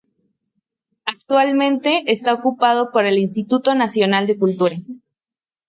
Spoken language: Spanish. Actualmente está ocupado por el Instituto Nacional de Cultura.